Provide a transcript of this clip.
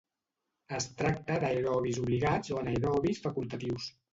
Es tracta d'aerobis obligats o anaerobis facultatius.